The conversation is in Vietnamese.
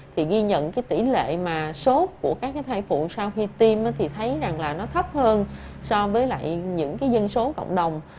thì ghi nhận tỷ lệ sốt của các thai phụ sau khi tiêm thì thấy rằng là nó thấp hơn so với những dân số cộng đồng